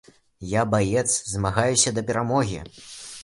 Я баец, змагаюся да перамогі.